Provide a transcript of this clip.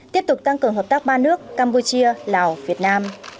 tiếp tục tăng cường hợp tác ba nước campuchia lào việt nam